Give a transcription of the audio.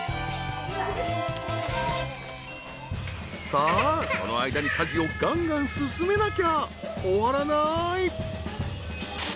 さあその間に家事をガンガン進めなきゃ終わらない！